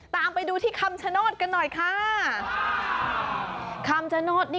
ตามไปดูที่คำชโนธกันหน่อยค่ะคำชโนธนี่